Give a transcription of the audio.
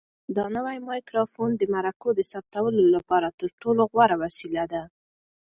دا نوی مایکروفون د مرکو د ثبتولو لپاره تر ټولو غوره وسیله ده.